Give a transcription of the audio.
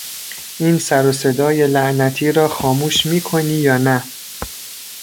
این سر و صدای لعنتی را خاموش میکنی یا نه!